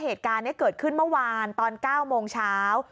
เหตุการณ์นี้เกิดขึ้นเมื่อวานตอน๙โมงเช้า